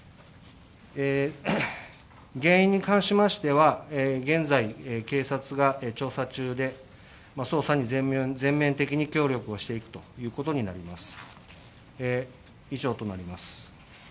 原因に関しましては現在警察が調査中で、捜査に全面的に協力をしていくことになります。